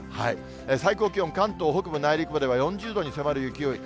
最高気温、関東北部、内陸部では４０度に迫る勢い。